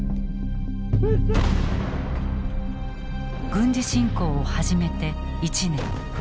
軍事侵攻を始めて１年。